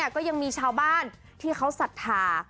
ก็ยังมีชาวบ้านที่เขาศรัทธา